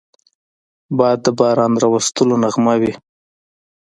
باد د باران راوستلو نغمه وي